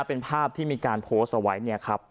เป็นภาพที่มีการโพสต์เอาไว้เนี่ยครับ